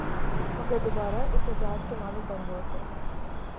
مگر دوبارہ اس اعزاز کے مالک بن گئے تھے